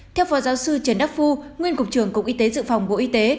theo phó giáo sư trần đắc phu nguyên cục trưởng cục y tế dự phòng bộ y tế